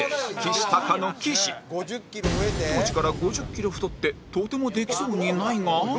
当時から５０キロ太ってとてもできそうにないが